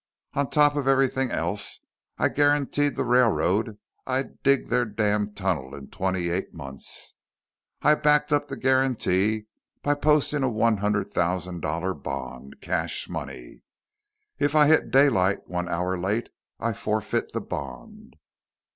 On top of everything else, I guaranteed the railroad I'd dig their damn tunnel in twenty eight months. I backed up the guarantee by posting a one hundred thousand dollar bond; cash money. If I hit daylight one hour late, I forfeit the bond.